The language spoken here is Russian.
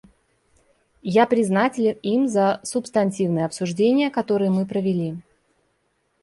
Я признателен им за субстантивные обсуждения, которые мы провели.